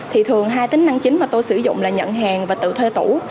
thì thường hai tính năng chính mà tôi sử dụng là nhận hàng và tự thuê tủ